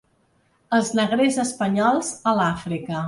Els negrers espanyols a l’Àfrica.